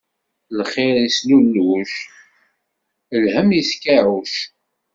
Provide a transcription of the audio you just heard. Lxiṛ islulluc, lhemm iskeɛɛuc.